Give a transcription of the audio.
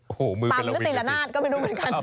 โอ้โฮมือเป็นละวินตำก็ติดละนาดก็ไปดูกันกัน